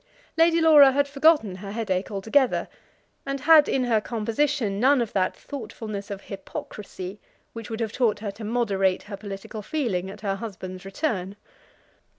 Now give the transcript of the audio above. Lady Laura had forgotten her headache altogether, and had in her composition none of that thoughtfulness of hypocrisy which would have taught her to moderate her political feeling at her husband's return.